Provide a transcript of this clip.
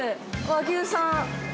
和牛さん。